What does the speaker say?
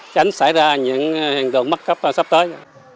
tránh xảy ra những hành động mắc cấp sắp tới